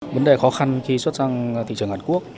vấn đề khó khăn khi xuất sang thị trường hàn quốc